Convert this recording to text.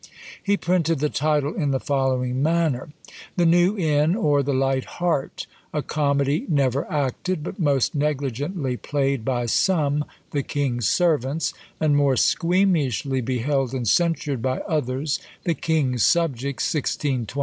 He printed the title in the following manner: "The New Inn, or The Light Heart; a Comedy never acted, but most negligently played by some, the King's servants; and more squeamishly beheld and censured by others, the King's subjects, 1629.